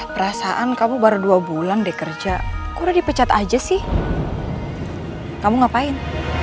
perasaan kamu baru dua bulan deh kerja udah dipecat aja sih kamu ngapain